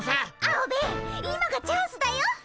アオベエ今がチャンスだよっ。